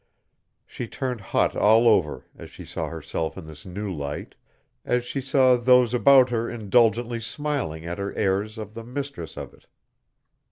She turned hot all over as she saw herself in this new light as she saw those about her indulgently smiling at her airs of the mistress of it.